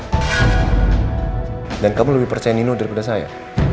dan sekarang kamu membawa masalah ini dan membahasnya sama saya